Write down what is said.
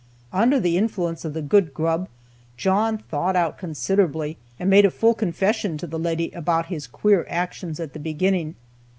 Under the influence of the good grub, John thawed out considerably, and made a full confession to the lady about his queer actions at the beginning.